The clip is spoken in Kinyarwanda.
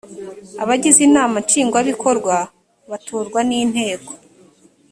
abagize inama nshingwabikorwa batorwa n’inteko